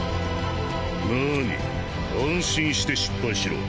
なに安心して失敗しろ。